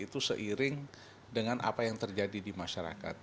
itu seiring dengan apa yang terjadi di masyarakat